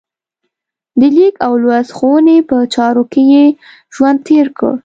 د لیک او لوست ښوونې په چارو کې یې ژوند تېر کړ.